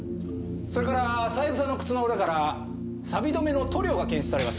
それから三枝の靴の裏からさび止めの塗料が検出されました。